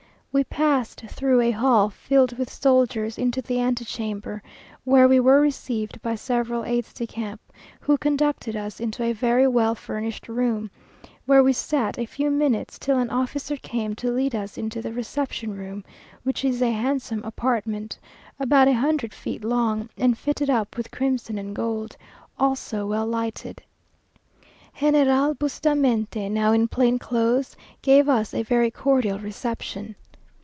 We passed through a hall filled with soldiers, into the antechamber, where we were received by several aides de camp, who conducted us into a very well furnished room, where we sat a few minutes, till an officer came to lead us into the reception room, which is a handsome apartment, about a hundred feet long, and fitted up with crimson and gold, also well lighted. General Bustamante, now in plain clothes, gave us a very cordial reception.